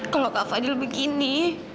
kalau kak fadil begini